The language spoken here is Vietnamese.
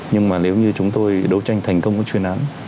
nhưng mà nếu như chúng tôi đấu tranh thành công các chuyên án